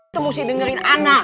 itu mesti dengerin anak